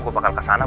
gue bakal kesana